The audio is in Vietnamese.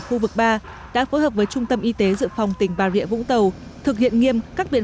khu vực ba đã phối hợp với trung tâm y tế dự phòng tỉnh bà rịa vũng tàu thực hiện nghiêm các biện